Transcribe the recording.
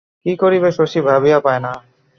কী করিবে শশী ভাবিয়া পায় না।